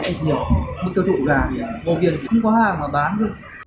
nhiều cái tiêu thụ gà gò viên không có hàng mà bán được